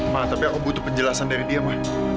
mah tapi aku butuh penjelasan dari dia ma